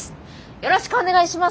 よろしくお願いします！